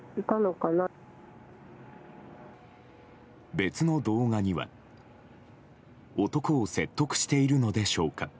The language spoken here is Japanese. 別の動画には男を説得しているのでしょうか。